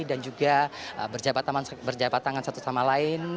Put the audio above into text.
dan juga berjabat tangan satu sama lain